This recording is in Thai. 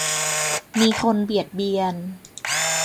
มีคนเบียดเบียน